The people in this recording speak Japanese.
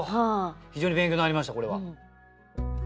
非常に勉強になりましたこれは。